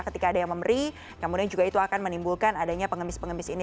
ketika ada yang memberi kemudian juga itu akan menimbulkan adanya pengemis pengemis ini